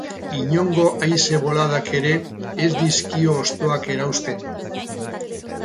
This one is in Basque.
Inongo haize boladak ere ez dizkio hostoak erauzten.